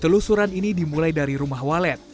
telusuran ini dimulai dari rumah walet